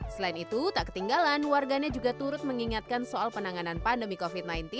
selain itu tak ketinggalan warganya juga turut mengingatkan soal penanganan pandemi covid sembilan belas